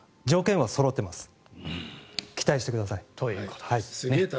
条件はそろっています。